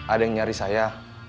ada yang nyari saya